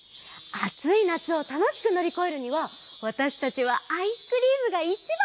あつい夏をたのしくのりこえるにはわたしたちはアイスクリームがいちばん！